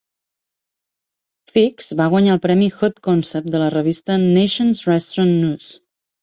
Figs va guanyar el premi "Hot Concept" de la revista "Nation's Restaurant News".